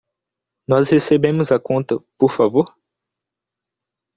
Nós recebemos a conta, por favor?